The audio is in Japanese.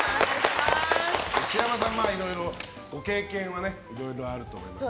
西山さん、いろいろご経験はあると思いますが。